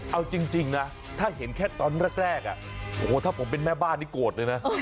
เอาจริงนะถ้าเห็นแค่ตอนแรกโอ้โหถ้าผมเป็นแม่บ้านนี่โกรธเลยนะ